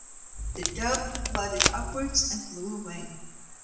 The Dove fluttered upwards and flew away.